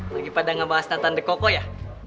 lagi pada ngebahas natan dekoko ya